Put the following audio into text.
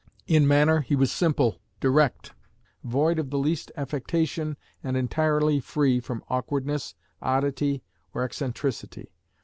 In manner he was simple, direct, void of the least affectation, and entirely free from awkwardness, oddity, or eccentricity.